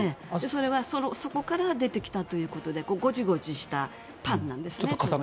そこから出てきたということでごちごちしたパンなんですね。